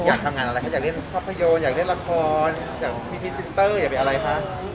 อยากทำงานอะไรคะอยากเล่นภาพยนตร์อยากเล่นละครอย่างพี่พีซินเตอร์อยากเป็นอะไรคะ